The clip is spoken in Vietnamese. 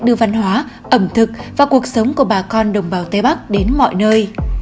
đưa văn hóa ẩm thực và cuộc sống của bà con đồng bào tây bắc đến mọi nơi